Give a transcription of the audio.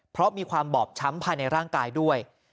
เพราะมีความบอบช้ำภายในร่างกายด้วย